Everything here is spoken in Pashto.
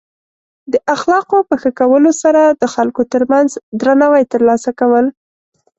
د اخلاقو په ښه کولو سره د خلکو ترمنځ درناوی ترلاسه کول.